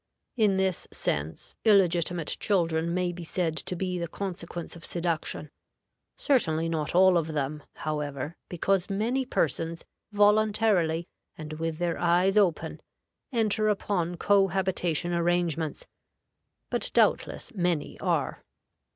In this sense, illegitimate children may be said to be the consequence of seduction. Certainly not all of them, however, because many persons, voluntarily and with their eyes open, enter upon cohabitation arrangements; but doubtless many are.